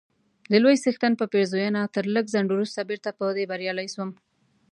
د لوی څښتن په پېرزوینه تر لږ ځنډ وروسته بیرته په دې بریالی سوم،